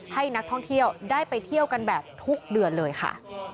ให้นักท่องเที่ยวได้ไปเที่ยวกันแบบทุกเดือนเลยค่ะ